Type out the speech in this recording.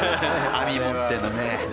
網持ってのね。